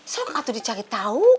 sok atuh dicari tau